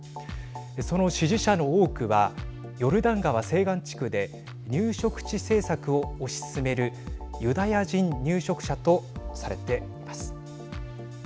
その支持者の多くはヨルダン川西岸地区で入植地政策を推し進めるユダヤ人入植者とされています。